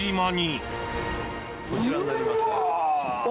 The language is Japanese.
こちらになります。